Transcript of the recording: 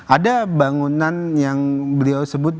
ada bangunan yang beliau sebut